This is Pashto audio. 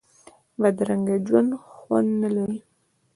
بدرنګه ژوند خوند نه لري